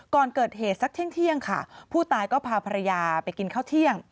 ก่อนเกิดเหตุสักเที่ยงค่ะผู้ตายก็พาภรรยาไปกินข้าวเที่ยง